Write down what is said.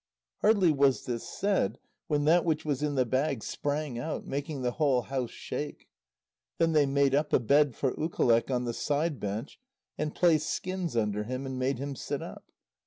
Hardly was this said when that which was in the bag sprang out, making the whole house shake. Then they made up a bed for Ukaleq on the side bench, and placed skins under him and made him sit up.